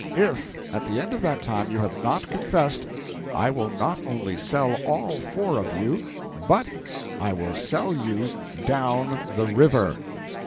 "If at the end of that time you have not confessed, I will not only sell all four of you, but I will sell you down the river!"